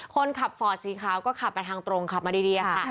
คนขับฟอร์ดสีขาวก็ขับมาทางตรงขับมาดีค่ะ